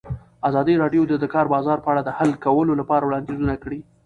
ازادي راډیو د د کار بازار په اړه د حل کولو لپاره وړاندیزونه کړي.